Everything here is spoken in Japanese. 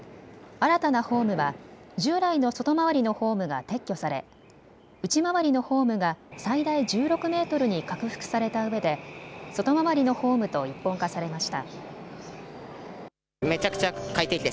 新たなホームは従来の外回りのホームが撤去され内回りのホームが最大１６メートルに拡幅されたうえで外回りのホームと一本化されました。